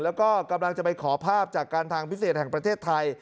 แล้วก็กำลังจะไปขอภาพจากการทางพิเศษแห่งประเทศไทย